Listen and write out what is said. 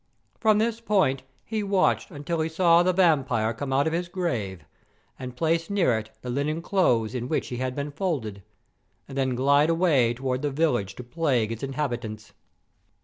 From this point he watched until he saw the vampire come out of his grave, and place near it the linen clothes in which he had been folded, and then glide away towards the village to plague its inhabitants.